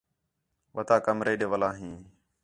وَتا کمرے ݙے وَلا ہیں